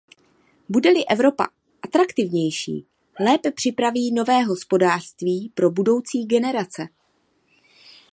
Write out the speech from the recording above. Bude-li Evropa atraktivnější, lépe připraví nové hospodářství pro budoucí generace.